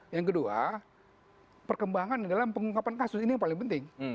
yang kedua perkembangan dalam pengungkapan kasus ini yang paling penting